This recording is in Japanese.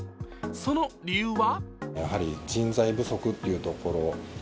その理由は？